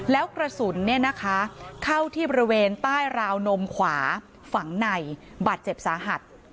แล้วกระสุนเข้าที่บริเวณใต้ราวนมขวาฝังในบาดเจ็บสาหัส